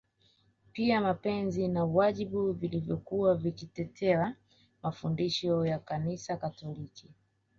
Pia mapenzi na wajibu vilivyokuwa vikitetea mafundisho ya Kanisa Katoliki